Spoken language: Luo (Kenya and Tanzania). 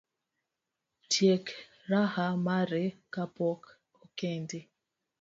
Tiek raha mari kapok okendi